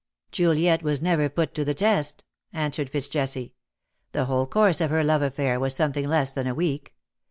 Juliet was never put to the test/^ answered Fitz Jesse. " The whole course of her love affair was something less than a week.